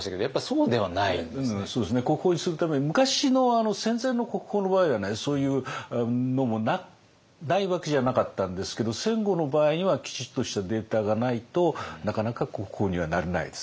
そうですね国宝にするために昔の戦前の国宝の場合はねそういうのもないわけじゃなかったんですけど戦後の場合にはきちっとしたデータがないとなかなか国宝にはなれないですね。